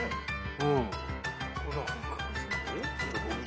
うん。